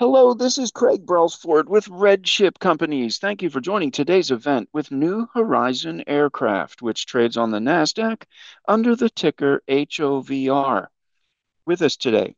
Hello, this is Craig Brelsford with RedChip Companies. Thank you for joining today's event with New Horizon Aircraft, which trades on the Nasdaq under the ticker HOVR. With us today,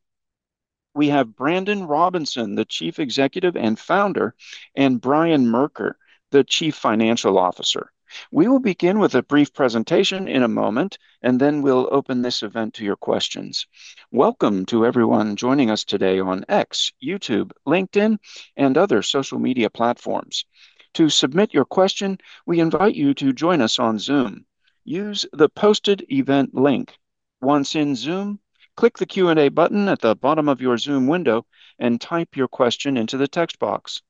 we have Brandon Robinson, the Chief Executive and Founder, and Brian Merker, the Chief Financial Officer. We will begin with a brief presentation in a moment, and then we'll open this event to your questions. Welcome to everyone joining us today on X, YouTube, LinkedIn, and other social media platforms. To submit your question, we invite you to join us on Zoom. Use the posted event link. Once in Zoom, click the Q&A button at the bottom of your Zoom window and type your question into the text box.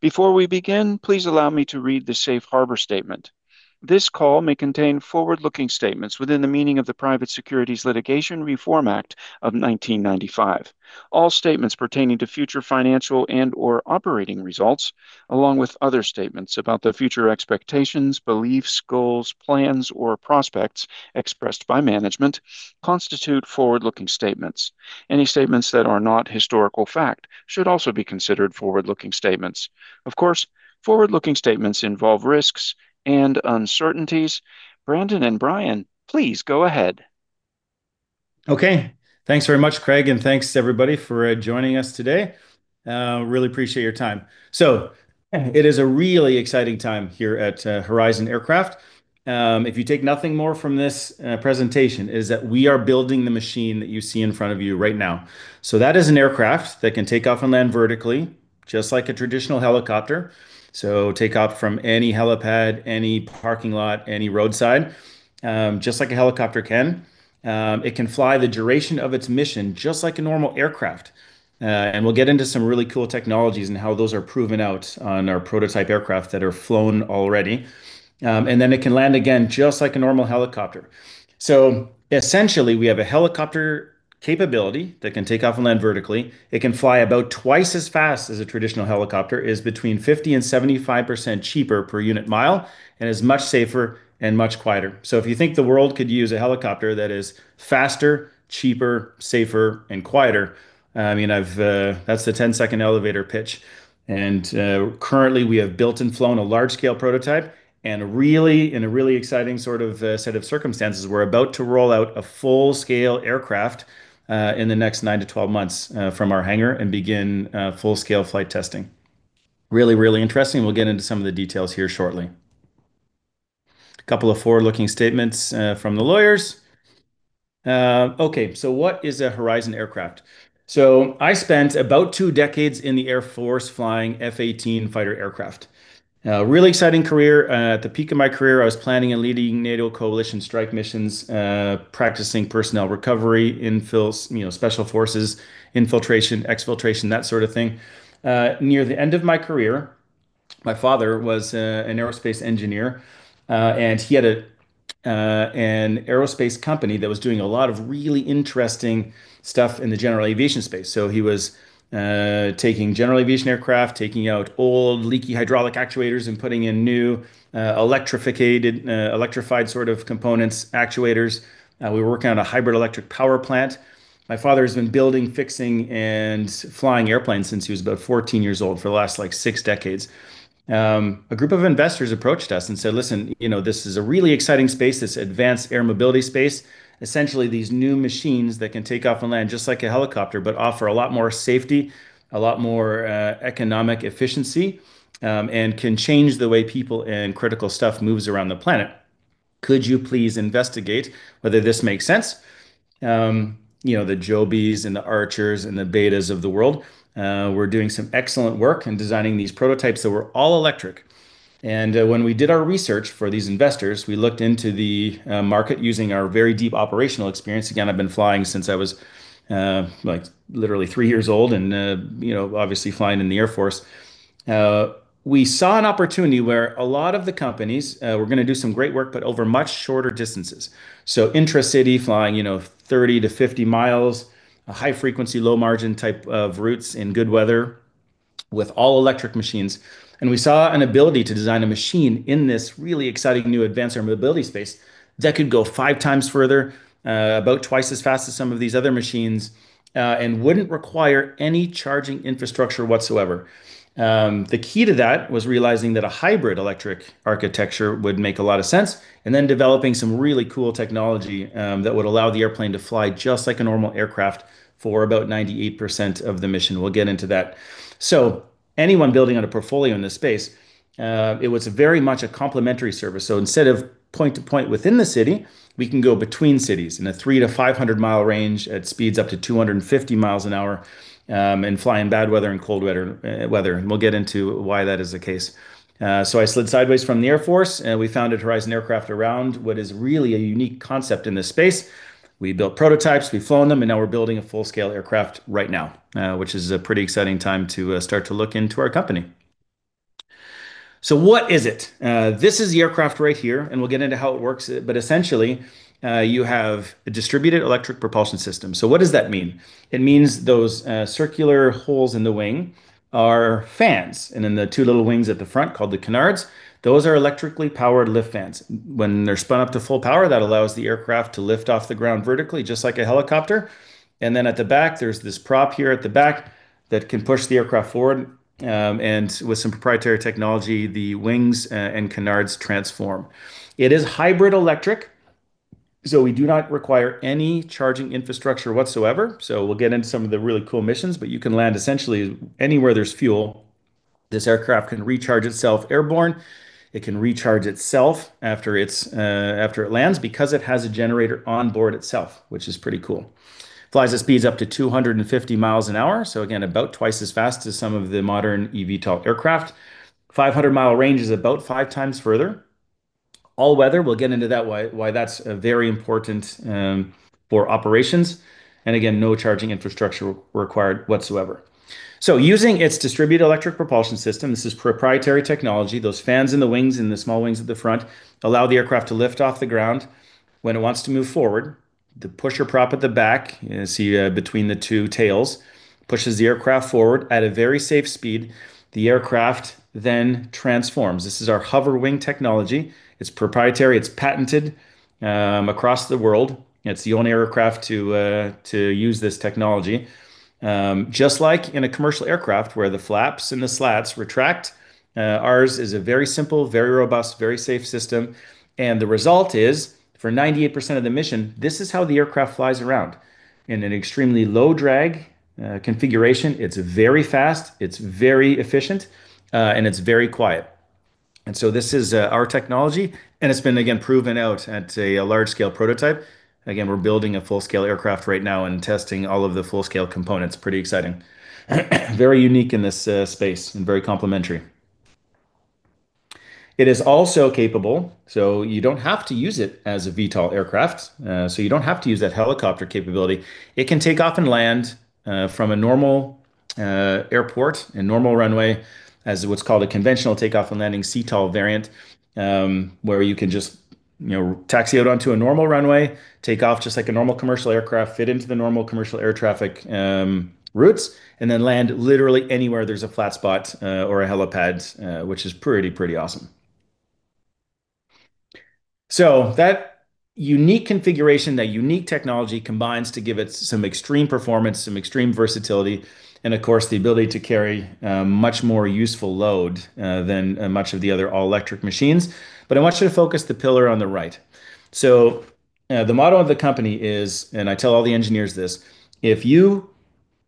Before we begin, please allow me to read the safe harbor statement. This call may contain forward-looking statements within the meaning of the Private Securities Litigation Reform Act of 1995. All statements pertaining to future financial and/or operating results, along with other statements about the future expectations, beliefs, goals, plans, or prospects expressed by management, constitute forward-looking statements. Any statements that are not historical fact should also be considered forward-looking statements. Of course, forward-looking statements involve risks and uncertainties. Brandon and Brian, please go ahead. Okay. Thanks very much, Craig, and thanks everybody for joining us today. Really appreciate your time. It is a really exciting time here at Horizon Aircraft. If you take nothing more from this presentation is that we are building the machine that you see in front of you right now. That is an aircraft that can take off and land vertically, just like a traditional helicopter. Take off from any helipad, any parking lot, any roadside, just like a helicopter can. It can fly the duration of its mission just like a normal aircraft. We'll get into some really cool technologies and how those are proven out on our prototype aircraft that are flown already. Then it can land again just like a normal helicopter. Essentially, we have a helicopter capability that can take off and land vertically. It can fly about twice as fast as a traditional helicopter, is between 50%-75% cheaper per unit mile, and is much safer and much quieter. If you think the world could use a helicopter that is faster, cheaper, safer, and quieter, that's the 10-second elevator pitch. Currently we have built and flown a large-scale prototype and in a really exciting set of circumstances, we're about to roll out a full-scale aircraft in the next 9-12 months from our hangar and begin full-scale flight testing. Really interesting. We'll get into some of the details here shortly. A couple of forward-looking statements from the lawyers. What is a Horizon aircraft? I spent about two decades in the Air Force flying F/A-18 fighter aircraft. A really exciting career. At the peak of my career, I was planning on leading NATO coalition strike missions, practicing personnel recovery, special forces infiltration, exfiltration, that sort of thing. He had an aerospace company that was doing a lot of really interesting stuff in the general aviation space. He was taking general aviation aircraft, taking out old leaky hydraulic actuators and putting in new electrified sort of components, actuators. We were working on a hybrid-electric power plant. My father's been building, fixing, and flying airplanes since he was about 14 years old for the last six decades. A group of investors approached us and said, "Listen, this is a really exciting space, this advanced air mobility space." Essentially these new machines that can take off and land just like a helicopter, but offer a lot more safety, a lot more economic efficiency, and can change the way people and critical stuff moves around the planet. Could you please investigate whether this makes sense? The Joby Aviation and the Archer Aviation and the Beta Technologies of the world were doing some excellent work in designing these prototypes that were all-electric. When we did our research for these investors, we looked into the market using our very deep operational experience. Again, I've been flying since I was literally three years old and obviously flying in the Air Force. We saw an opportunity where a lot of the companies were going to do some great work, but over much shorter distances. Intra-city flying 30-50 mi, a high-frequency, low-margin type of routes in good weather with all-electric machines. We saw an ability to design a machine in this really exciting new advanced air mobility space that could go five times further, about twice as fast as some of these other machines, and wouldn't require any charging infrastructure whatsoever. The key to that was realizing that a hybrid-electric architecture would make a lot of sense, and then developing some really cool technology that would allow the airplane to fly just like a normal aircraft for about 98% of the mission. We'll get into that. Anyone building out a portfolio in this space, it was very much a complementary service. Instead of point to point within the city, we can go between cities in a 3-500-mi range at speeds up to 250 mph and fly in bad weather and cold weather. We'll get into why that is the case. I slid sideways from the Air Force, and we founded Horizon Aircraft around what is really a unique concept in this space. We built prototypes, we've flown them, and now we're building a full-scale aircraft right now, which is a pretty exciting time to start to look into our company. What is it? This is the aircraft right here, and we'll get into how it works. Essentially, you have a distributed electric propulsion system. What does that mean? It means those circular holes in the wing are fans. The two little wings at the front called the canards, those are electrically powered lift fans. When they're spun up to full power, that allows the aircraft to lift off the ground vertically, just like a helicopter. At the back, there's this prop here at the back that can push the aircraft forward. With some proprietary technology, the wings and canards transform. It is hybrid electric, so we do not require any charging infrastructure whatsoever. We'll get into some of the really cool missions, but you can land essentially anywhere there's fuel. This aircraft can recharge itself airborne. It can recharge itself after it lands because it has a generator on board itself, which is pretty cool. Flies at speeds up to 250 mph, so again, about twice as fast as some of the modern eVTOL aircraft. 500-mi range is about five times further. All weather, we'll get into why that's very important for operations. Again, no charging infrastructure required whatsoever. Using its distributed electric propulsion system, this is proprietary technology. Those fans in the wings, in the small wings at the front allow the aircraft to lift off the ground. When it wants to move forward, the pusher prop at the back, you see between the two tails, pushes the aircraft forward at a very safe speed. The aircraft then transforms. This is our HOVR Wing technology. It's proprietary. It's patented across the world. It's the only aircraft to use this technology. Just like in a commercial aircraft where the flaps and the slats retract, ours is a very simple, very robust, very safe system. The result is for 98% of the mission, this is how the aircraft flies around. In an extremely low drag configuration. It's very fast, it's very efficient, and it's very quiet. This is our technology, and it's been, again, proven out at a large-scale prototype. Again, we're building a full-scale aircraft right now and testing all of the full-scale components. Pretty exciting. Very unique in this space and very complementary. It is also capable, so you don't have to use it as a VTOL aircraft. You don't have to use that helicopter capability. It can take off and land from a normal airport and normal runway as what's called a conventional takeoff and landing CTOL variant, where you can just taxi out onto a normal runway, take off just like a normal commercial aircraft, fit into the normal commercial air traffic routes, and then land literally anywhere there's a flat spot or a helipad, which is pretty awesome. That unique configuration, that unique technology combines to give it some extreme performance, some extreme versatility, and of course, the ability to carry much more useful load than much of the other all-electric machines. I want you to focus the pillar on the right. The motto of the company is, and I tell all the engineers this, "If you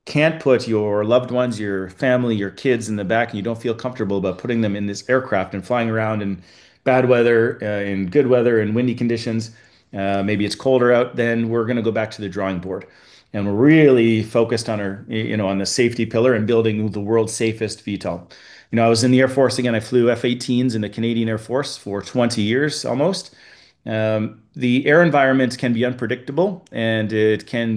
can't put your loved ones, your family, your kids in the back, and you don't feel comfortable about putting them in this aircraft and flying around in bad weather, in good weather and windy conditions, maybe it's colder out, then we're going to go back to the drawing board." We're really focused on the safety pillar and building the world's safest VTOL. I was in the Air Force. Again, I flew F/A-18s in the Canadian Air Force for 20 years almost. The air environment can be unpredictable, it can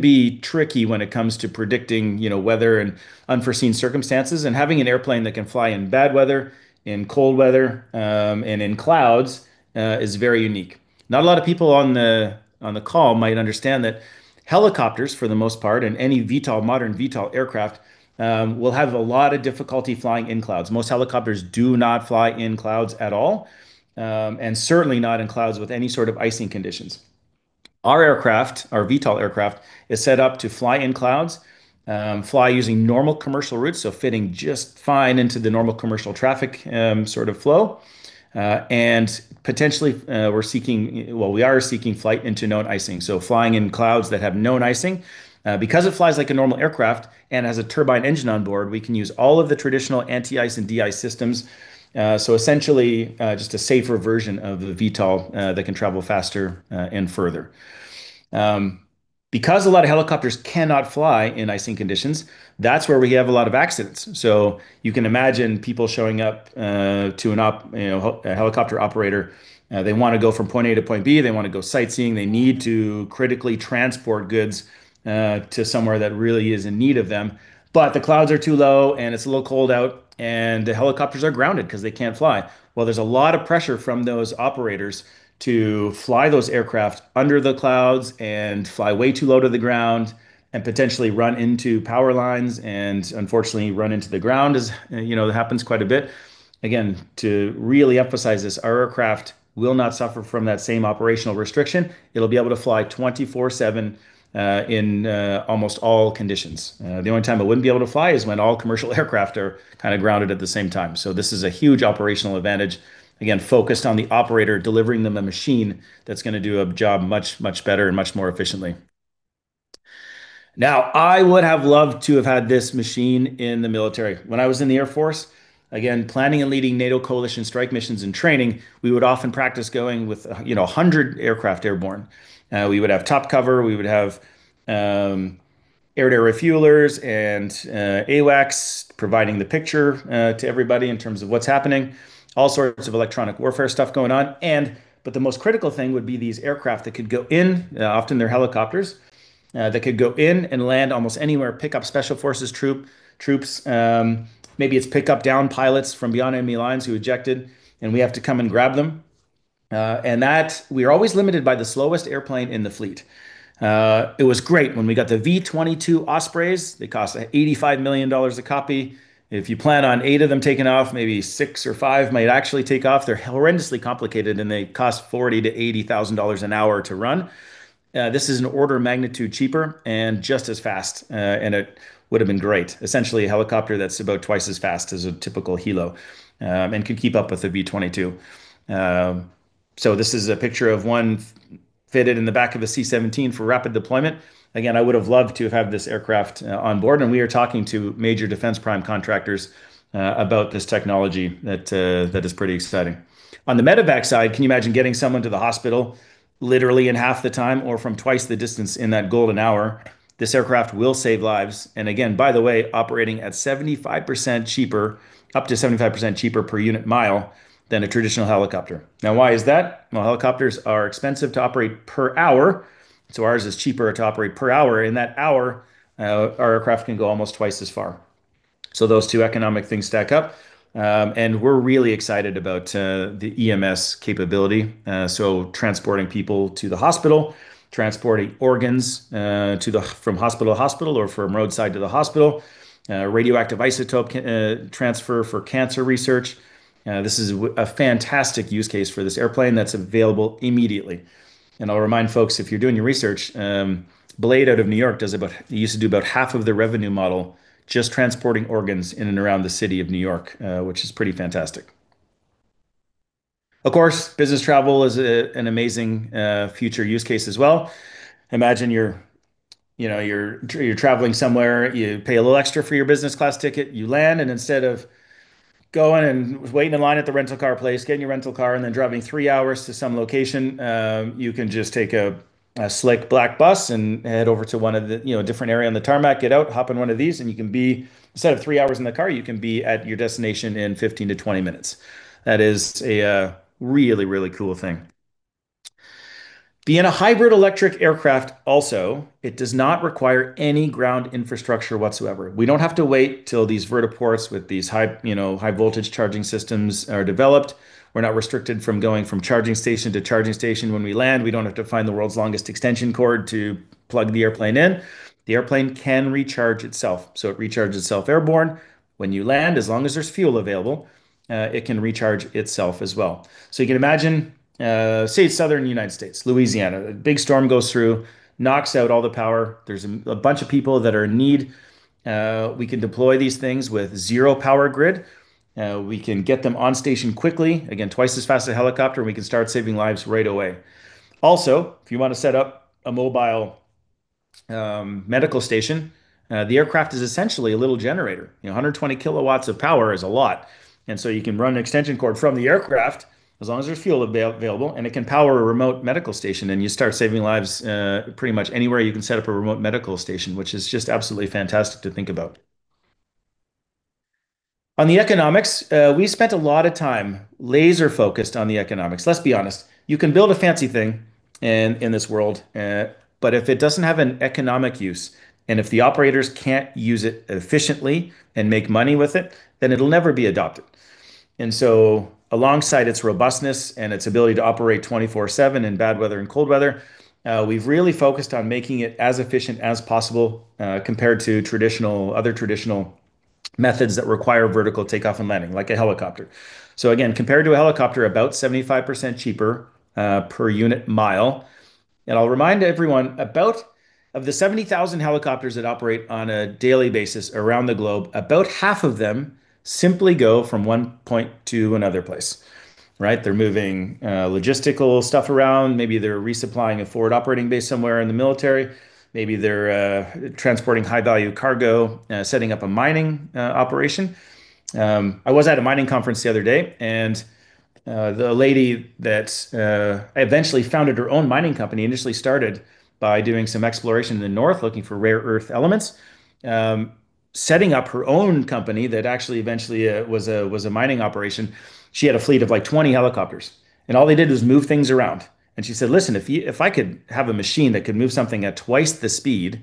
be tricky when it comes to predicting weather and unforeseen circumstances. Having an airplane that can fly in bad weather, in cold weather, and in clouds is very unique. Not a lot of people on the call might understand that helicopters, for the most part, and any modern VTOL aircraft, will have a lot of difficulty flying in clouds. Most helicopters do not fly in clouds at all, and certainly not in clouds with any sort of icing conditions. Our aircraft, our VTOL aircraft, is set up to fly in clouds, fly using normal commercial routes, so fitting just fine into the normal commercial traffic sort of flow. Potentially, we are seeking flight into known icing, so flying in clouds that have known icing. Because it flies like a normal aircraft and has a turbine engine on board, we can use all of the traditional anti-ice and de-ice systems. Essentially, just a safer version of the VTOL that can travel faster and further. Because a lot of helicopters cannot fly in icing conditions, that's where we have a lot of accidents. You can imagine people showing up to a helicopter operator. They want to go from point A to point B. They want to go sightseeing. They need to critically transport goods to somewhere that really is in need of them, but the clouds are too low, and it's a little cold out, and the helicopters are grounded because they can't fly. Well, there's a lot of pressure from those operators to fly those aircraft under the clouds and fly way too low to the ground and potentially run into power lines and unfortunately run into the ground, as happens quite a bit. Again, to really emphasize this, our aircraft will not suffer from that same operational restriction. It'll be able to fly 24/7 in almost all conditions. The only time it wouldn't be able to fly is when all commercial aircraft are kind of grounded at the same time. This is a huge operational advantage. Again, focused on the operator delivering them a machine that's going to do a job much, much better and much more efficiently. Now, I would have loved to have had this machine in the military. When I was in the Air Force, again, planning and leading NATO coalition strike missions and training, we would often practice going with 100 aircraft airborne. We would have top cover. We would have air-to-air refuelers and AWACS providing the picture to everybody in terms of what's happening. All sorts of electronic warfare stuff going on. The most critical thing would be these aircraft that could go in, often they're helicopters, that could go in and land almost anywhere, pick up Special Forces troops. Maybe it's pick up downed pilots from beyond enemy lines who ejected, and we have to come and grab them. That we are always limited by the slowest airplane in the fleet. It was great when we got the V-22 Ospreys. They cost $85 million a copy. If you plan on eight of them taking off, maybe six or five might actually take off. They're horrendously complicated, they cost 40,000-80,000 dollars an hour to run. This is an order of magnitude cheaper and just as fast. It would've been great. Essentially a helicopter that's about twice as fast as a typical helo, and could keep up with a V-22. This is a picture of one fitted in the back of a C-17 for rapid deployment. Again, I would've loved to have had this aircraft on board, we are talking to major defense prime contractors about this technology that is pretty exciting. On the medevac side, can you imagine getting someone to the hospital literally in half the time or from twice the distance in that golden hour? This aircraft will save lives, again, by the way, operating at up to 75% cheaper per unit mile than a traditional helicopter. Why is that? Helicopters are expensive to operate per hour, ours is cheaper to operate per hour. In that hour, our aircraft can go almost twice as far. Those two economic things stack up. We're really excited about the EMS capability. Transporting people to the hospital, transporting organs from hospital to hospital or from roadside to the hospital, radioactive isotope transfer for cancer research. This is a fantastic use case for this airplane that's available immediately. I'll remind folks, if you're doing your research, Blade out of New York used to do about half of their revenue model just transporting organs in and around the city of New York, which is pretty fantastic. Business travel is an amazing future use case as well. Imagine you're traveling somewhere, you pay a little extra for your business class ticket, you land, instead of going and waiting in line at the rental car place, getting your rental car, then driving three hours to some location, you can just take a slick black bus and head over to a different area on the tarmac, get out, hop in one of these, instead of three hours in the car, you can be at your destination in 15-20 minutes. That is a really cool thing. Being a hybrid-electric aircraft also, it does not require any ground infrastructure whatsoever. We don't have to wait till these vertiports with these high voltage charging systems are developed. We're not restricted from going from charging station to charging station when we land. We don't have to find the world's longest extension cord to plug the airplane in. The airplane can recharge itself. It recharges itself airborne. When you land, as long as there's fuel available, it can recharge itself as well. You can imagine, say southern United States, Louisiana. A big storm goes through, knocks out all the power. There's a bunch of people that are in need. We can deploy these things with zero power grid. We can get them on station quickly, again, twice as fast as a helicopter, we can start saving lives right away. If you want to set up a mobile medical station, the aircraft is essentially a little generator. 120 kW of power is a lot. You can run an extension cord from the aircraft as long as there's fuel available, it can power a remote medical station, you start saving lives pretty much anywhere you can set up a remote medical station, which is just absolutely fantastic to think about. On the economics, we spent a lot of time laser-focused on the economics. Let's be honest, you can build a fancy thing in this world, but if it doesn't have an economic use, if the operators can't use it efficiently and make money with it'll never be adopted. Alongside its robustness and its ability to operate 24/7 in bad weather and cold weather, we've really focused on making it as efficient as possible compared to other traditional methods that require vertical takeoff and landing, like a helicopter. Again, compared to a helicopter, about 75% cheaper per unit mile. I'll remind everyone, of the 70,000 helicopters that operate on a daily basis around the globe, about half of them simply go from one point to another place. Right. They're moving logistical stuff around. Maybe they're resupplying a forward operating base somewhere in the military. Maybe they're transporting high-value cargo, setting up a mining operation. I was at a mining conference the other day, and the lady that eventually founded her own mining company initially started by doing some exploration in the north looking for rare earth elements. Setting up her own company that actually eventually was a mining operation. She had a fleet of 20 helicopters, all they did was move things around. She said, "Listen, if I could have a machine that could move something at twice the speed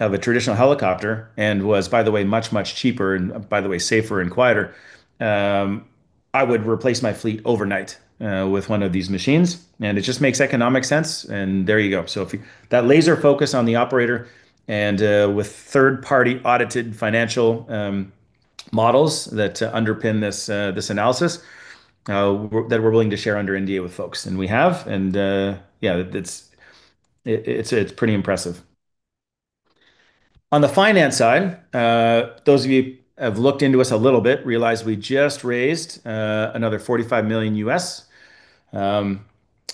of a traditional helicopter and was, by the way, much cheaper and, by the way, safer and quieter, I would replace my fleet overnight with one of these machines." It just makes economic sense. There you go. That laser focus on the operator and with third-party audited financial models that underpin this analysis that we're willing to share under NDA with folks. We have. Yeah, it's pretty impressive. On the finance side, those of you have looked into us a little bit realize we just raised another $45 million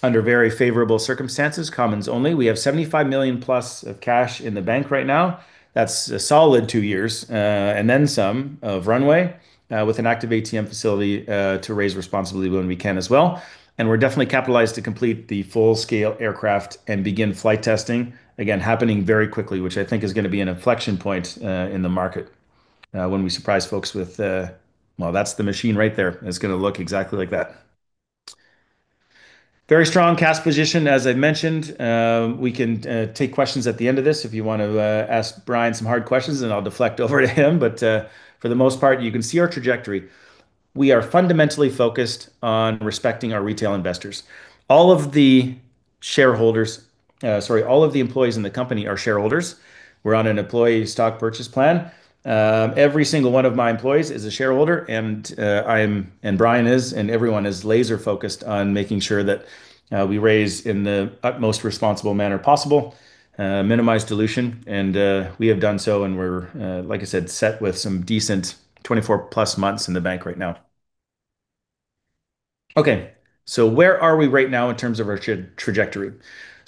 under very favorable circumstances, commons only. We have $75 million-plus of cash in the bank right now. That's a solid two years, and then some, of runway, with an active ATM facility to raise responsibly when we can as well. We're definitely capitalized to complete the full-scale aircraft and begin flight testing, again, happening very quickly, which I think is going to be an inflection point in the market when we surprise folks with, well, that's the machine right there. It's going to look exactly like that. Very strong cash position, as I mentioned. We can take questions at the end of this if you want to ask Brian some hard questions, I'll deflect over to him. For the most part, you can see our trajectory. We are fundamentally focused on respecting our retail investors. All of the employees in the company are shareholders. We're on an employee stock purchase plan. Every single one of my employees is a shareholder, and I am, and Brian is, and everyone is laser-focused on making sure that we raise in the utmost responsible manner possible, minimize dilution, and we have done so, and we're, like I said, set with some decent 24+ months in the bank right now. Where are we right now in terms of our trajectory?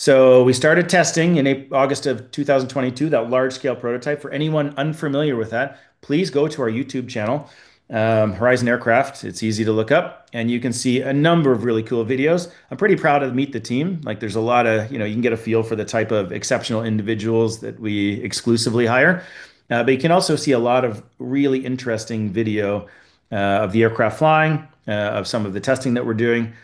We started testing in August 2022, that large-scale prototype. For anyone unfamiliar with that, please go to our YouTube channel, Horizon Aircraft. It's easy to look up, and you can see a number of really cool videos. I'm pretty proud of Meet the Team. You can get a feel for the type of exceptional individuals that we exclusively hire. You can also see a lot of really interesting video of the aircraft flying, of some of the testing that we're doing,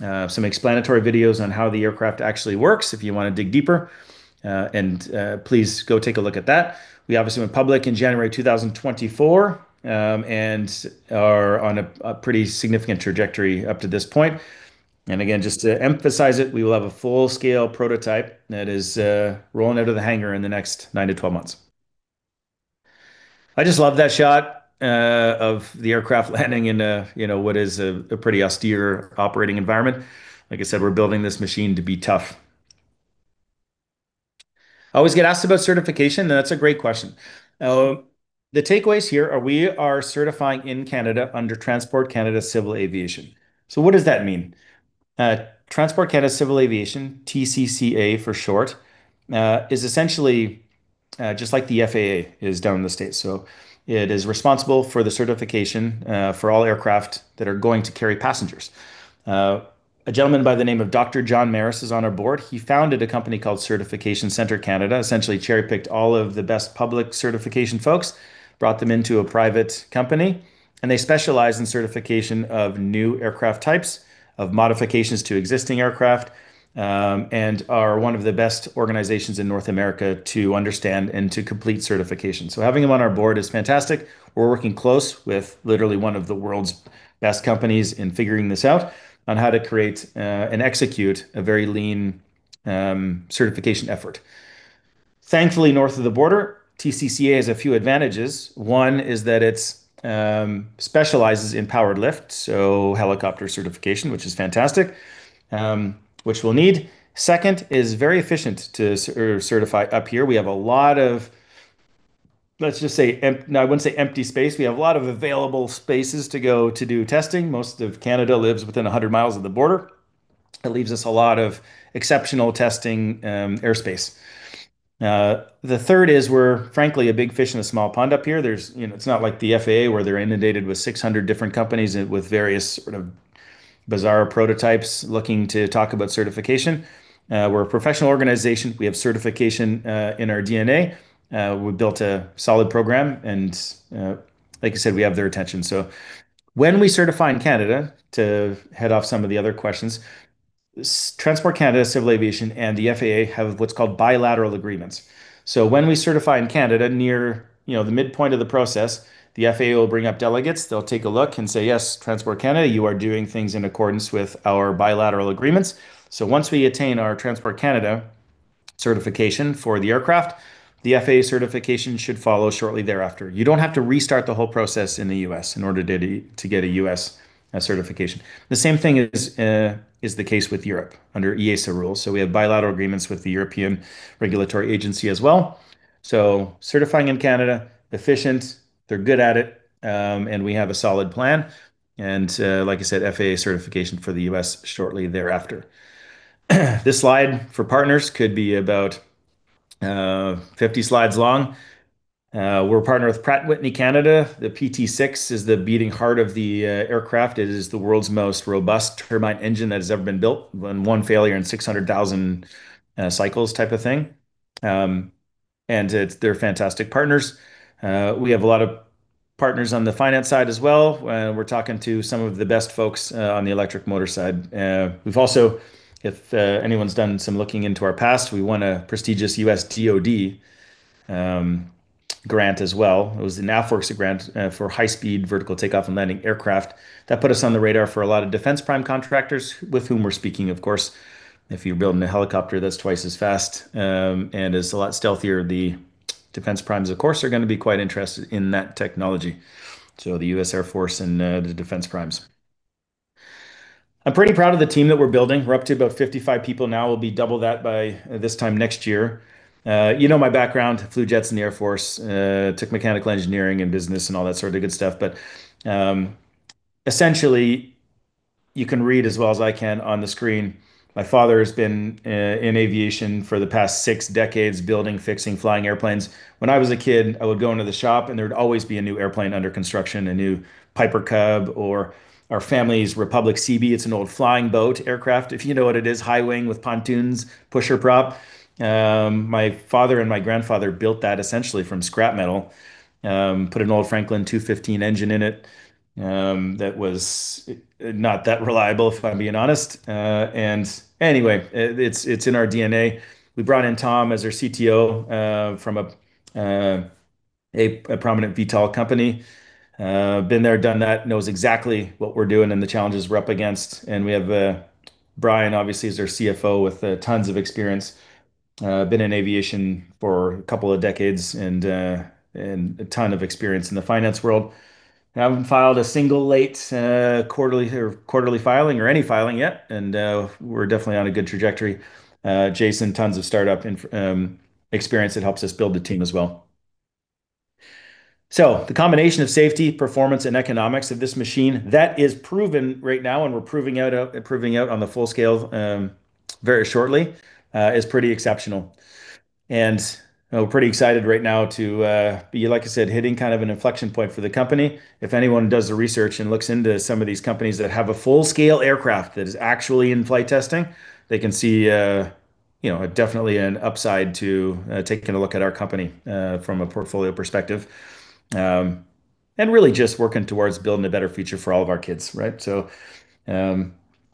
some explanatory videos on how the aircraft actually works if you want to dig deeper. And please go take a look at that. We obviously went public in January 2024, and are on a pretty significant trajectory up to this point. Again, just to emphasize it, we will have a full-scale prototype that is rolling out of the hangar in the next 9-12 months. I just love that shot of the aircraft landing in what is a pretty austere operating environment. Like I said, we're building this machine to be tough. I always get asked about certification, and that's a great question. The takeaways here are we are certifying in Canada under Transport Canada Civil Aviation. What does that mean? Transport Canada Civil Aviation, TCCA for short, is essentially just like the FAA is down in the United States. It is responsible for the certification for all aircraft that are going to carry passengers. A gentleman by the name of Dr. John Maris is on our board. He founded a company called Certification Center Canada, essentially cherry-picked all of the best public certification folks, brought them into a private company, and they specialize in certification of new aircraft types, of modifications to existing aircraft, and are one of the best organizations in North America to understand and to complete certification. Having him on our board is fantastic. We're working close with literally one of the world's best companies in figuring this out on how to create and execute a very lean certification effort. Thankfully, north of the border, TCCA has a few advantages. It specializes in powered-lift, so helicopter certification, which is fantastic, which we'll need. Very efficient to certify up here. We have a lot of, let's just say, I wouldn't say empty space. We have a lot of available spaces to go to do testing. Most of Canada lives within 100 mi of the border. It leaves us a lot of exceptional testing airspace. We're, frankly, a big fish in a small pond up here. It's not like the FAA where they're inundated with 600 different companies with various sort of bizarre prototypes looking to talk about certification. We're a professional organization. We have certification in our DNA. We've built a solid program, and like I said, we have their attention. When we certify in Canada, to head off some of the other questions, Transport Canada Civil Aviation and the FAA have what's called bilateral agreements. When we certify in Canada near the midpoint of the process, the FAA will bring up delegates. They'll take a look and say, "Yes, Transport Canada, you are doing things in accordance with our bilateral agreements." Once we attain our Transport Canada certification for the aircraft, the FAA certification should follow shortly thereafter. You don't have to restart the whole process in the U.S. in order to get a U.S. certification. The same thing is the case with Europe under EASA rules. We have bilateral agreements with the European Regulatory Agency as well. Certifying in Canada, efficient, they're good at it, and we have a solid plan. Like I said, FAA certification for the U.S. shortly thereafter. This slide for partners could be about 50 slides long. We're partnered with Pratt & Whitney Canada. The PT6 is the beating heart of the aircraft. It is the world's most robust turbine engine that has ever been built. One failure in 600,000 cycles type of thing. They're fantastic partners. We have a lot of partners on the finance side as well. We're talking to some of the best folks on the electric motor side. We've also, if anyone's done some looking into our past, we won a prestigious U.S. DOD grant as well. It was the AFWERX grant for high-speed vertical takeoff and landing aircraft. That put us on the radar for a lot of defense prime contractors with whom we're speaking, of course. If you're building a helicopter that's twice as fast and is a lot stealthier, the defense primes, of course, are going to be quite interested in that technology. The U.S. Air Force and the defense primes. I'm pretty proud of the team that we're building. We're up to about 55 people now. We'll be double that by this time next year. You know my background. Flew jets in the Air Force, took mechanical engineering and business, and all that sort of good stuff. Essentially, you can read as well as I can on the screen. My father has been in aviation for the past six decades, building, fixing, flying airplanes. When I was a kid, I would go into the shop, and there would always be a new airplane under construction, a new Piper Cub or our family's Republic Seabee. It's an old flying boat aircraft. If you know what it is, high wing with pontoons, pusher prop. My father and my grandfather built that essentially from scrap metal. Put an old Franklin 215 engine in it that was not that reliable, if I'm being honest. Anyway, it's in our DNA. We brought in Tom as our CTO from a prominent VTOL company. Been there, done that, knows exactly what we're doing and the challenges we're up against. We have Brian, obviously, as our CFO with tons of experience. Been in aviation for a couple of decades and a ton of experience in the finance world. Haven't filed a single late quarterly filing or any filing yet, we're definitely on a good trajectory. Jason, tons of startup experience that helps us build the team as well. The combination of safety, performance, and economics of this machine that is proven right now, and we're proving out on the full scale very shortly, is pretty exceptional. We're pretty excited right now to be, like I said, hitting kind of an inflection point for the company. If anyone does the research and looks into some of these companies that have a full-scale aircraft that is actually in flight testing, they can see definitely an upside to taking a look at our company from a portfolio perspective, and really just working towards building a better future for all of our kids. With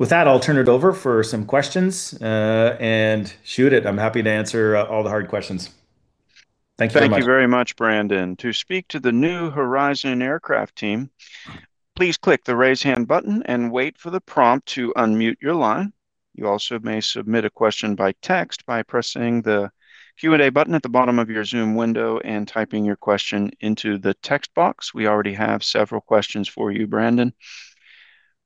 that, I'll turn it over for some questions, and shoot it. I'm happy to answer all the hard questions. Thank you very much. Thank you very much, Brandon. To speak to the New Horizon Aircraft team, please click the raise hand button and wait for the prompt to unmute your line. You also may submit a question by text by pressing the Q&A button at the bottom of your Zoom window and typing your question into the text box. We already have several questions for you, Brandon.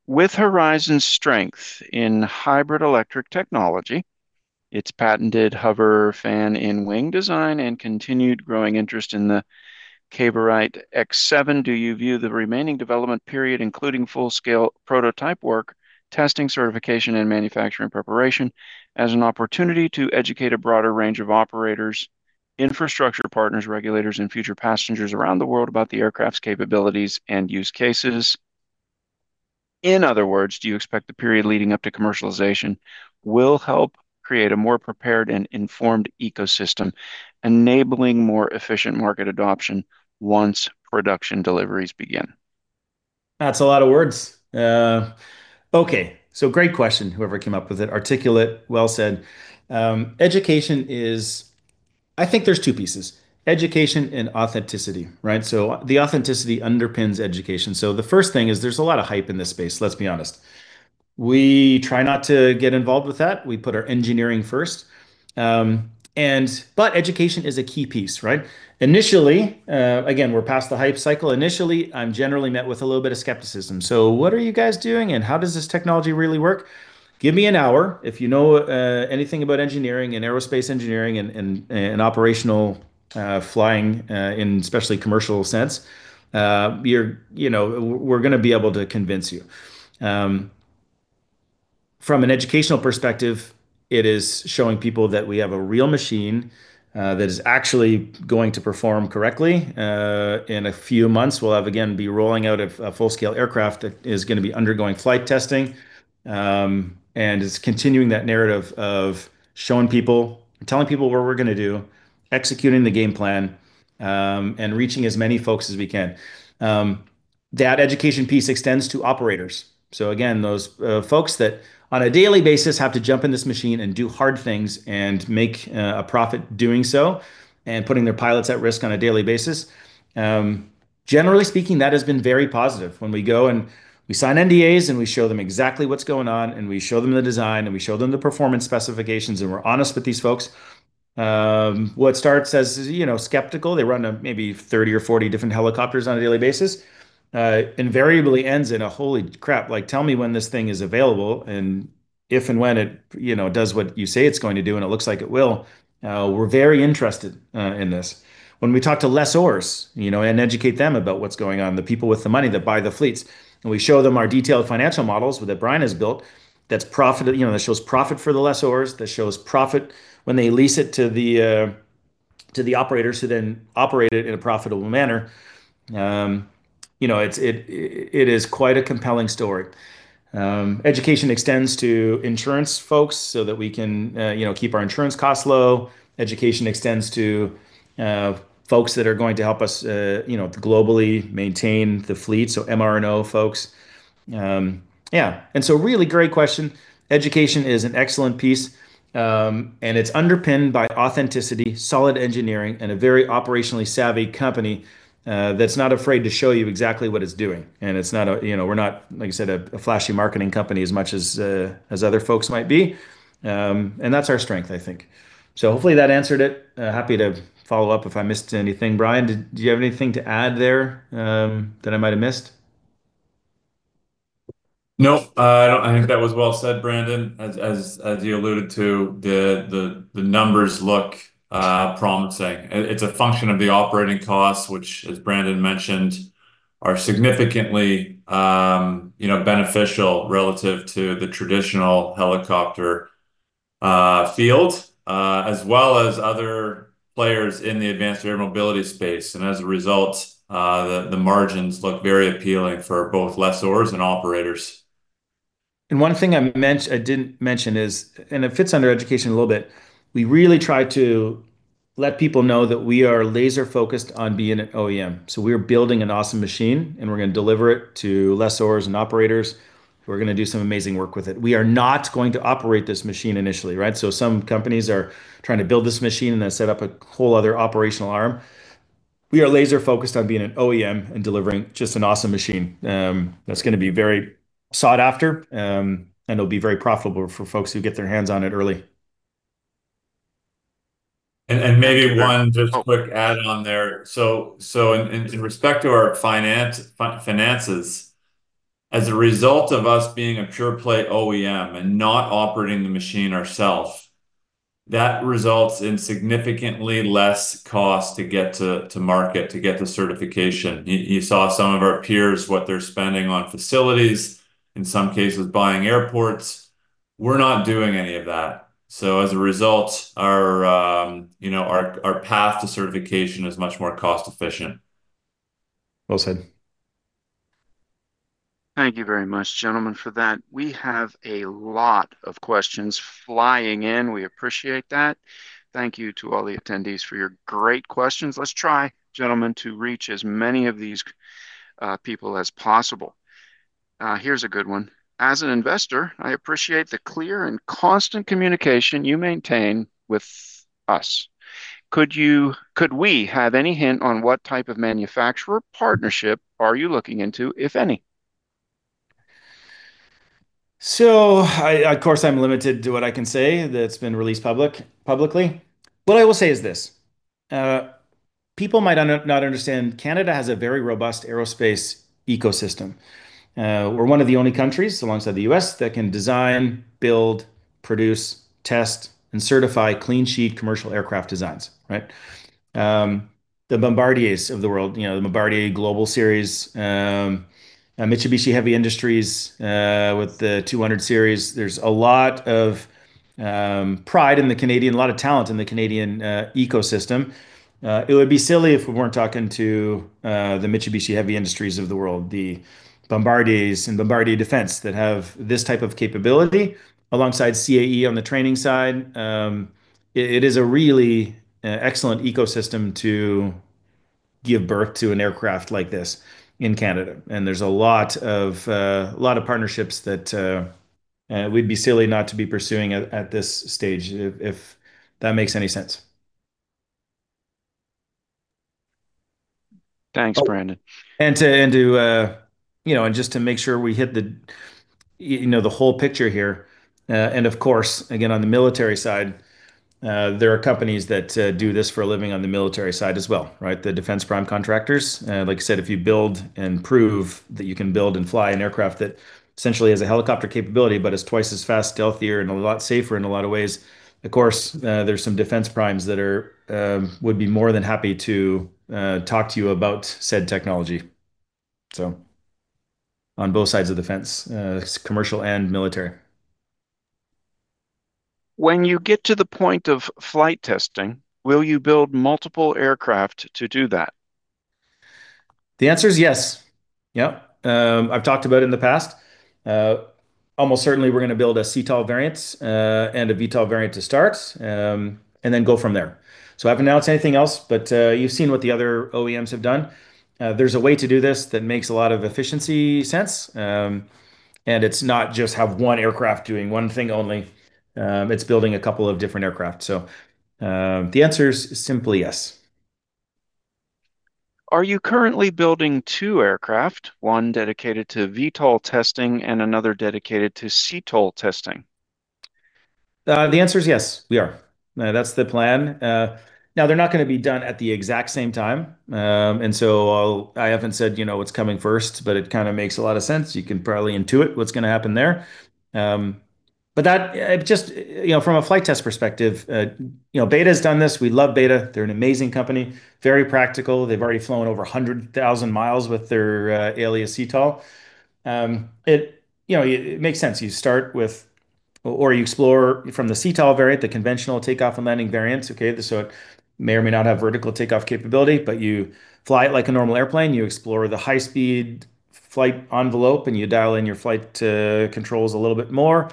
With Horizon's strength in hybrid-electric technology, its patented HOVR fan-in-wing design, and continued growing interest in the Cavorite X7, do you view the remaining development period, including full-scale prototype work, testing, certification, and manufacturing preparation, as an opportunity to educate a broader range of operators, infrastructure partners, regulators, and future passengers around the world about the aircraft's capabilities and use cases? In other words, do you expect the period leading up to commercialization will help create a more prepared and informed ecosystem, enabling more efficient market adoption once production deliveries begin? That's a lot of words. Okay. Great question, whoever came up with it. Articulate, well said. I think there's two pieces, education and authenticity. The authenticity underpins education. The first thing is there's a lot of hype in this space, let's be honest. We try not to get involved with that. We put our engineering first. Education is a key piece. Initially, again, we're past the hype cycle. Initially, I'm generally met with a little bit of skepticism. "What are you guys doing, and how does this technology really work?" Give me an hour. If you know anything about engineering and aerospace engineering and operational flying, in especially commercial sense, we're going to be able to convince you. From an educational perspective, it is showing people that we have a real machine that is actually going to perform correctly. In a few months, we'll again be rolling out a full-scale aircraft that is going to be undergoing flight testing, and it's continuing that narrative of showing people, telling people what we're going to do, executing the game plan, and reaching as many folks as we can. That education piece extends to operators. Again, those folks that on a daily basis have to jump in this machine and do hard things and make a profit doing so, and putting their pilots at risk on a daily basis. Generally speaking, that has been very positive. When we go and we sign NDAs and we show them exactly what's going on, and we show them the design, and we show them the performance specifications, and we're honest with these folks, what starts as skeptical, they run maybe 30 or 40 different helicopters on a daily basis, invariably ends in a, "Holy crap, tell me when this thing is available. If and when it does what you say it's going to do, it looks like it will, we're very interested in this." When we talk to lessors and educate them about what's going on, the people with the money that buy the fleets, and we show them our detailed financial models that Brian has built that shows profit for the lessors, that shows profit when they lease it to the operators who then operate it in a profitable manner, it is quite a compelling story. Education extends to insurance folks so that we can keep our insurance costs low. Education extends to folks that are going to help us globally maintain the fleet, so MRO folks. Yeah. Really great question. Education is an excellent piece, and it's underpinned by authenticity, solid engineering, and a very operationally savvy company that's not afraid to show you exactly what it's doing. We're not, like I said, a flashy marketing company as much as other folks might be. That's our strength, I think. Hopefully that answered it. Happy to follow up if I missed anything. Brian, do you have anything to add there that I might have missed? No. I think that was well said, Brandon. As you alluded to, the numbers look promising. It's a function of the operating costs, which, as Brandon mentioned, are significantly beneficial relative to the traditional helicopter field, as well as other players in the advanced air mobility space. As a result, the margins look very appealing for both lessors and operators. One thing I didn't mention is, and it fits under education a little bit, we really try to let people know that we are laser-focused on being an OEM. We're building an awesome machine, and we're going to deliver it to lessors and operators. We're going to do some amazing work with it. We are not going to operate this machine initially, right? Some companies are trying to build this machine and then set up a whole other operational arm. We are laser-focused on being an OEM and delivering just an awesome machine that's going to be very sought-after, and it'll be very profitable for folks who get their hands on it early. Maybe one just quick add on there. In respect to our finances, as a result of us being a pure play OEM and not operating the machine ourself, that results in significantly less cost to get to market, to get the certification. You saw some of our peers, what they're spending on facilities, in some cases buying airports. We're not doing any of that. As a result, our path to certification is much more cost-efficient. Well said. Thank you very much, gentlemen, for that. We have a lot of questions flying in. We appreciate that. Thank you to all the attendees for your great questions. Let's try, gentlemen, to reach as many of these people as possible. Here's a good one. As an investor, I appreciate the clear and constant communication you maintain with us. Could we have any hint on what type of manufacturer partnership are you looking into, if any? Of course, I'm limited to what I can say that's been released publicly. What I will say is this. People might not understand, Canada has a very robust aerospace ecosystem. We're one of the only countries, alongside the U.S., that can design, build, produce, test, and certify clean sheet commercial aircraft designs. Right? The Bombardiers of the world, the Bombardier Global series, Mitsubishi Heavy Industries with the 200 series. There's a lot of pride and a lot of talent in the Canadian ecosystem. It would be silly if we weren't talking to the Mitsubishi Heavy Industries of the world, the Bombardiers and Bombardier Defense that have this type of capability, alongside CAE on the training side. It is a really excellent ecosystem to give birth to an aircraft like this in Canada. There's a lot of partnerships that we'd be silly not to be pursuing at this stage, if that makes any sense. Thanks, Brandon. Just to make sure we hit the whole picture here. Of course, again, on the military side, there are companies that do this for a living on the military side as well. Right? The defense prime contractors. Like I said, if you build and prove that you can build and fly an aircraft that essentially has a helicopter capability but is twice as fast, stealthier, and a lot safer in a lot of ways, of course, there's some defense primes that would be more than happy to talk to you about said technology. On both sides of the fence, commercial and military. When you get to the point of flight testing, will you build multiple aircraft to do that? The answer is yes. Yep. I've talked about in the past almost certainly we're going to build a CTOL variant, a VTOL variant to start, then go from there. I haven't announced anything else, but you've seen what the other OEMs have done. There's a way to do this that makes a lot of efficiency sense, it's not just have one aircraft doing one thing only. It's building a couple of different aircraft. The answer is simply yes. Are you currently building two aircraft, one dedicated to VTOL testing and another dedicated to CTOL testing? The answer is yes, we are. That's the plan. Now they're not going to be done at the exact same time. I haven't said what's coming first, but it kind of makes a lot of sense. You can probably intuit what's going to happen there. From a flight test perspective, Beta's done this. We love Beta. They're an amazing company, very practical. They've already flown over 100,000 mi with their ALIA CTOL. It makes sense. You start with, or you explore from the CTOL variant, the conventional takeoff and landing variants. Okay? It may or may not have vertical takeoff capability, but you fly it like a normal airplane. You explore the high-speed flight envelope, you dial in your flight controls a little bit more.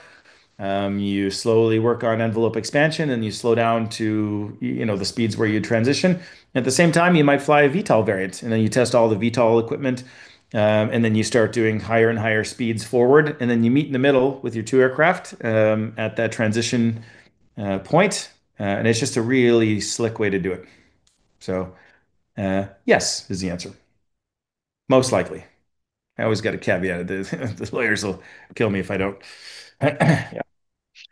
You slowly work on envelope expansion, you slow down to the speeds where you transition. At the same time, you might fly a VTOL variant, then you test all the VTOL equipment, then you start doing higher and higher speeds forward, then you meet in the middle with your two aircraft at that transition point. It's just a really slick way to do it. Yes is the answer. Most likely. I always got to caveat it. The lawyers will kill me if I don't. Yeah.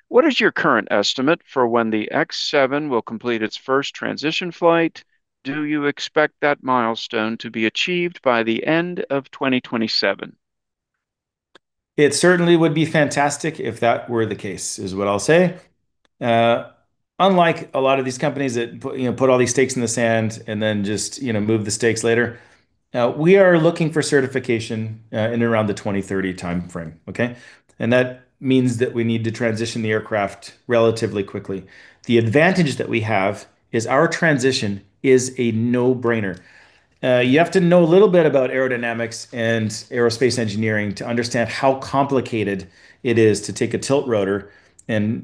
What is your current estimate for when the X7 will complete its first transition flight? Do you expect that milestone to be achieved by the end of 2027? It certainly would be fantastic if that were the case, is what I'll say. Unlike a lot of these companies that put all these stakes in the sand then just move the stakes later, we are looking for certification in around the 2030 timeframe. Okay? That means that we need to transition the aircraft relatively quickly. The advantage that we have is our transition is a no-brainer. You have to know a little bit about aerodynamics and aerospace engineering to understand how complicated it is to take a tiltrotor and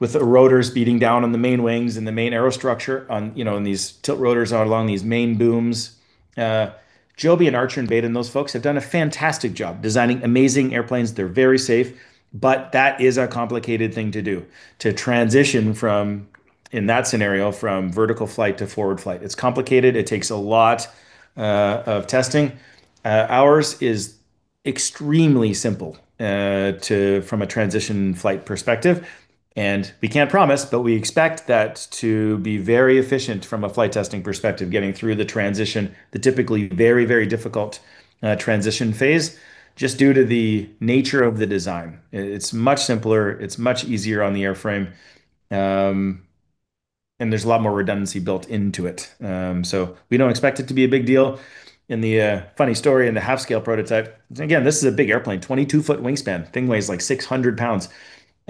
with the rotors beating down on the main wings and the main aerostructure, and these tiltrotors are along these main booms. Yeah. Joby and Archer and Beta and those folks have done a fantastic job designing amazing airplanes. They're very safe, that is a complicated thing to do, to transition from, in that scenario, from vertical flight to forward flight. It's complicated. It takes a lot of testing. Ours is extremely simple from a transition flight perspective, we can't promise, but we expect that to be very efficient from a flight testing perspective, getting through the transition, the typically very difficult transition phase, just due to the nature of the design. It's much simpler, it's much easier on the airframe, there's a lot more redundancy built into it. We don't expect it to be a big deal. In the funny story in the half-scale prototype, again, this is a big airplane, 22-ft wingspan, thing weighs, like, 600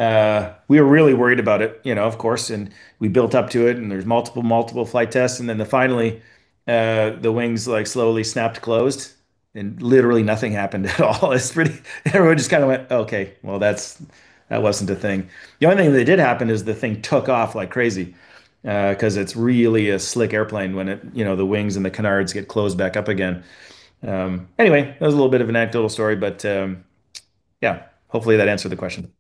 lbs. We were really worried about it, of course. We built up to it. There's multiple flight tests. Then finally, the wings slowly snapped closed. Literally nothing happened at all. Everyone just kind of went, "Okay, well that wasn't a thing." The only thing that did happen is the thing took off like crazy, because it's really a slick airplane when the wings and the canards get closed back up again. Anyway, that was a little bit of an anecdotal story. Yeah, hopefully that answered the question.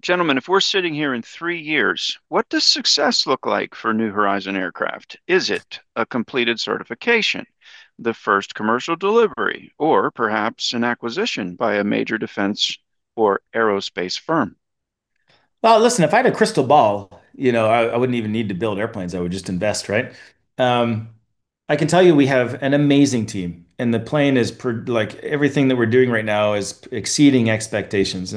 Gentlemen, if we're sitting here in three years, what does success look like for New Horizon Aircraft? Is it a completed certification, the first commercial delivery, or perhaps an acquisition by a major defense or aerospace firm? Well, listen, if I had a crystal ball, I wouldn't even need to build airplanes. I would just invest, right? I can tell you we have an amazing team. Everything that we're doing right now is exceeding expectations.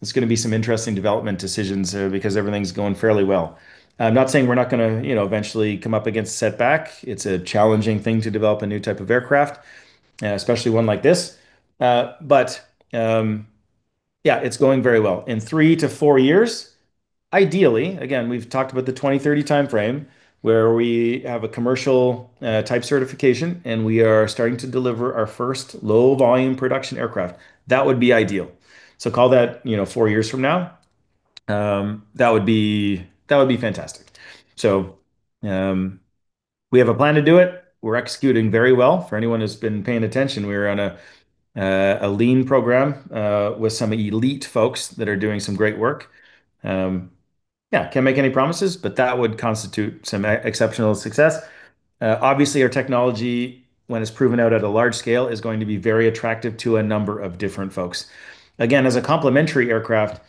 There's going to be some interesting development decisions because everything's going fairly well. I'm not saying we're not going to eventually come up against a setback. It's a challenging thing to develop a new type of aircraft, especially one like this. Yeah, it's going very well. In three to four years, ideally, again, we've talked about the 2030 timeframe, where we have a commercial type certification. We are starting to deliver our first low-volume production aircraft. That would be ideal. Call that four years from now. That would be fantastic. We have a plan to do it. We're executing very well. For anyone who's been paying attention, we are on a lean program with some elite folks that are doing some great work. Yeah, can't make any promises. That would constitute some exceptional success. Obviously, our technology, when it's proven out at a large scale, is going to be very attractive to a number of different folks. Again, as a complementary aircraft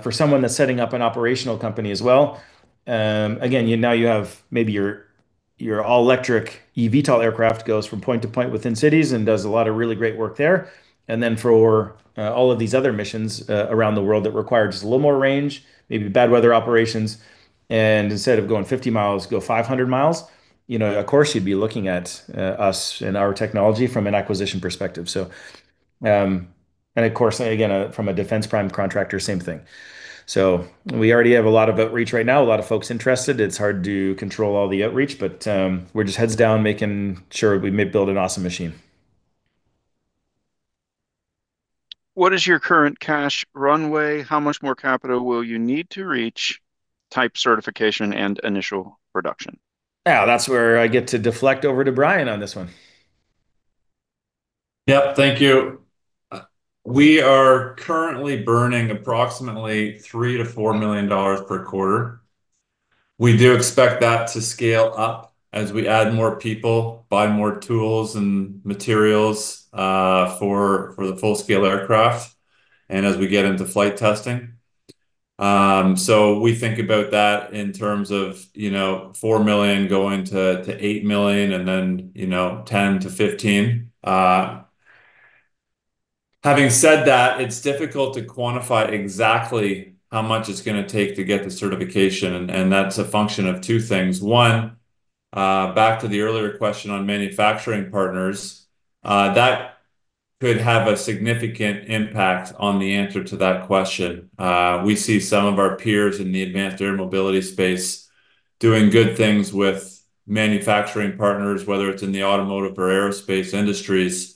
for someone that's setting up an operational company as well. Again, now you have maybe your all-electric eVTOL aircraft goes from point to point within cities and does a lot of really great work there. Then for all of these other missions around the world that require just a little more range, maybe bad weather operations. Instead of going 50 mi, go 500 mi. Of course you'd be looking at us and our technology from an acquisition perspective. Of course, again, from a defense prime contractor, same thing. We already have a lot of outreach right now, a lot of folks interested. It's hard to control all the outreach, we're just heads down, making sure we build an awesome machine. What is your current cash runway? How much more capital will you need to reach type certification and initial production? Yeah, that's where I get to deflect over to Brian on this one. Yep. Thank you. We are currently burning approximately 3 million-4 million dollars per quarter. We do expect that to scale up as we add more people, buy more tools and materials for the full-scale aircraft, and as we get into flight testing. We think about that in terms of 4 million going to 8 million, and then, 10 million-15 million. Having said that, it's difficult to quantify exactly how much it's going to take to get the certification, and that's a function of two things. One, back to the earlier question on manufacturing partners, that could have a significant impact on the answer to that question. We see some of our peers in the advanced air mobility space doing good things with manufacturing partners, whether it's in the automotive or aerospace industries,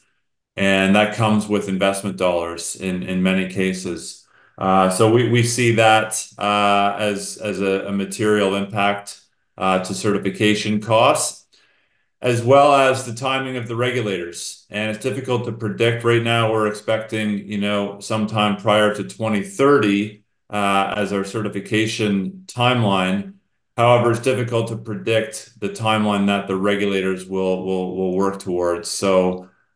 and that comes with investment dollars in many cases. We see that as a material impact to certification costs, as well as the timing of the regulators. It's difficult to predict right now. We're expecting sometime prior to 2030 as our certification timeline. However, it's difficult to predict the timeline that the regulators will work towards.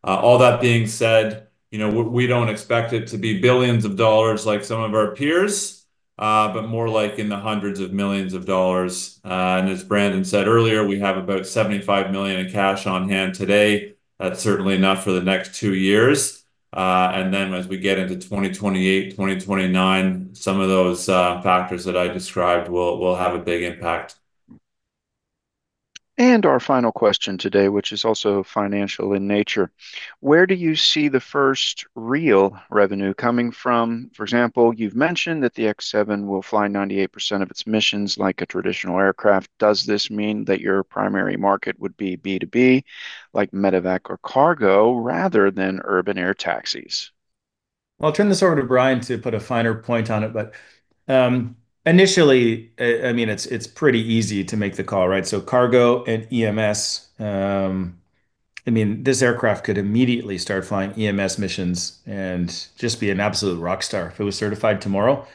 All that being said, we don't expect it to be billions of dollars like some of our peers, but more like in the hundreds of millions of dollars. As Brandon said earlier, we have about 75 million in cash on hand today. That's certainly enough for the next two years. Then as we get into 2028, 2029, some of those factors that I described will have a big impact. Our final question today, which is also financial in nature. Where do you see the first real revenue coming from? For example, you've mentioned that the X7 will fly 98% of its missions like a traditional aircraft. Does this mean that your primary market would be B2B, like medevac or cargo, rather than urban air taxis? I'll turn this over to Brian to put a finer point on it. Initially, it's pretty easy to make the call, right? Cargo and EMS, this aircraft could immediately start flying EMS missions and just be an absolute rock star if it was certified tomorrow.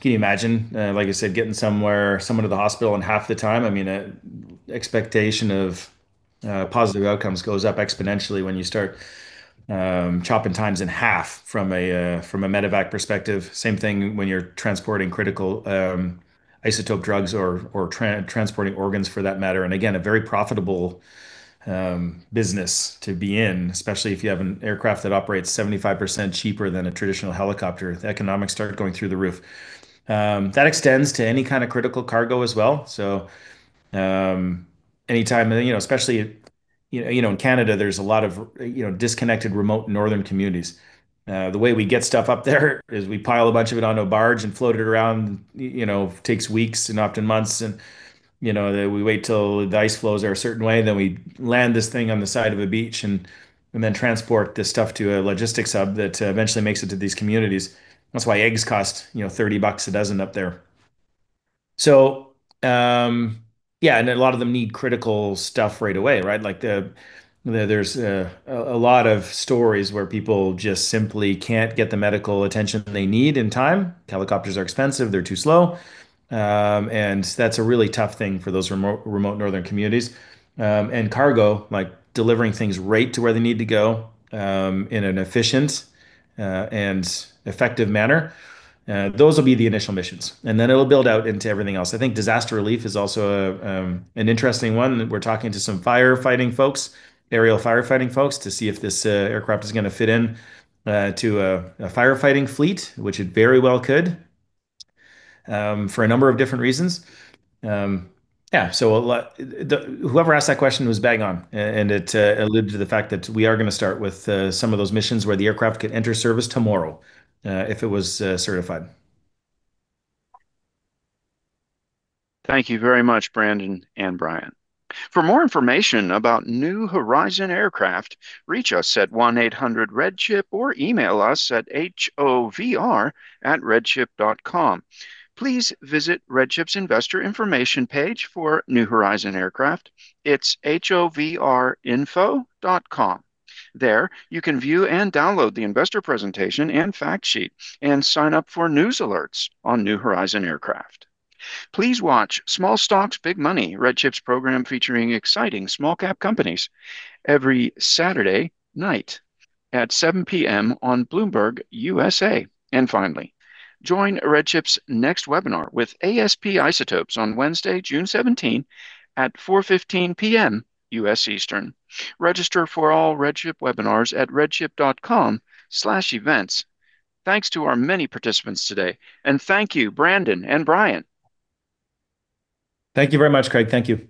Can you imagine, like I said, getting someone to the hospital in half the time? Expectation of positive outcomes goes up exponentially when you start chopping times in half from a medevac perspective. Same thing when you're transporting critical isotope drugs or transporting organs for that matter. Again, a very profitable business to be in, especially if you have an aircraft that operates 75% cheaper than a traditional helicopter. The economics start going through the roof. That extends to any kind of critical cargo as well. Anytime, especially in Canada, there's a lot of disconnected remote northern communities. The way we get stuff up there is we pile a bunch of it onto a barge and float it around. It takes weeks and often months, we wait till the ice flows are a certain way. We land this thing on the side of a beach and then transport the stuff to a logistics hub that eventually makes it to these communities. That's why eggs cost 30 bucks a dozen up there. A lot of them need critical stuff right away. There's a lot of stories where people just simply can't get the medical attention they need in time. Helicopters are expensive, they're too slow, that's a really tough thing for those remote northern communities and cargo. Delivering things right to where they need to go in an efficient and effective manner. Those will be the initial missions, then it will build out into everything else. Disaster relief is also an interesting one. We are talking to some firefighting folks, aerial firefighting folks, to see if this aircraft is going to fit into a firefighting fleet, which it very well could, for a number of different reasons. Whoever asked that question was bang on, it alludes to the fact that we are going to start with some of those missions where the aircraft could enter service tomorrow if it was certified. Thank you very much, Brandon and Brian. For more information about New Horizon Aircraft, reach us at 1-800-REDCHIP or email us at hovr@redchip.com. Please visit RedChip's Investor Information page for New Horizon Aircraft. It is hovrinfo.com. There you can view and download the investor presentation and fact sheet and sign up for news alerts on New Horizon Aircraft. Please watch Small Stocks, Big Money, RedChip's program featuring exciting small cap companies every Saturday night at 7:00 P.M. on Bloomberg USA. Join RedChip's next webinar with ASP Isotopes on Wednesday, June 17, at 4:15 P.M. U.S. Eastern. Register for all RedChip webinars at redchip.com/events. Thanks to our many participants today. Thank you, Brandon and Brian. Thank you very much, Craig. Thank you.